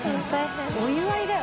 お祝いだよ